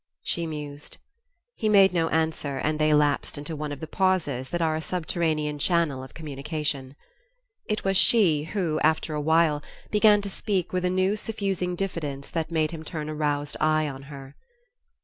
she mused. He made no answer and they lapsed into one of the pauses that are a subterranean channel of communication. It was she who, after awhile, began to speak with a new suffusing diffidence that made him turn a roused eye on her.